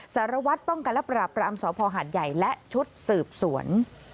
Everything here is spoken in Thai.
สารวัตรป้องกันลับประอำสอบภอหาดใหญ่และชุดสืบสวน